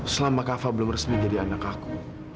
selama kafa belum resmi jadi anak aku